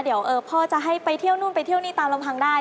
เดี๋ยวพ่อจะให้ไปเที่ยวนู่นไปเที่ยวนี่ตามลำพังได้